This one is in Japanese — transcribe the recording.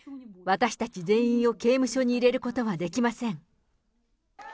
私たち全員を刑務所に入れることはできません。